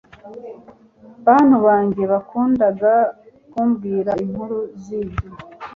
Bantu banjye bakundaga kumbwira inkuru zibyo